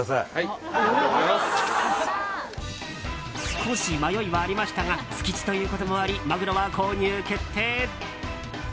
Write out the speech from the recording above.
少し迷いはありましたが築地ということもありマグロは購入決定。